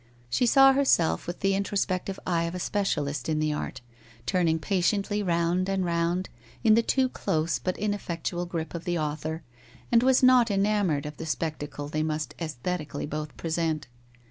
She saw herself with the introspective eye of a specialist in the art, turning patiently round and round in the too close but ineffectual grip of the author, and was not enamoured of the spec tacle they must aesthetically both present.